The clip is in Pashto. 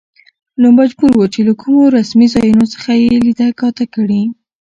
نو مجبور و، چې له کومو رسمي ځايونو څخه يې ليده کاته کړي.